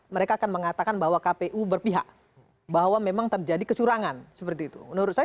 mereka akan mengatakan bahwa kpu berpihak bahwa memang terjadi kecurangan seperti itu menurut saya